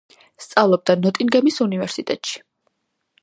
სწავლობდა ნოტინგემის უნივერსიტეტში.